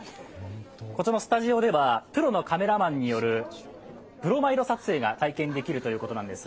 こちらのスタジオではプロのカメラマンによるブロマイド撮影が体験できるということなんです。